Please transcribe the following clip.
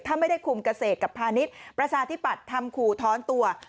ถ้าไม่ได้คุมเกษตรกับพาณิชย์ประชาธิปัตย์ทำขู่ท้อนตัว